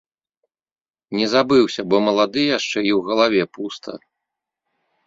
Не забыўся, бо малады яшчэ і ў галаве пуста.